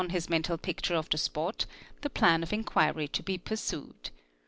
his mental picture of the spot, the plan of inquiry to be pursued.